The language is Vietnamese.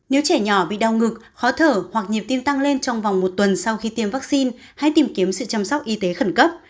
nếu trẻ nhỏ bị đau ngực khó thở hoặc nhịp tim tăng lên trong vòng một tuần sau khi tiêm vaccine hãy tìm kiếm sự chăm sóc y tế khẩn cấp